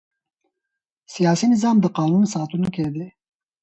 سیاسي نظام د قانون ساتونکی دی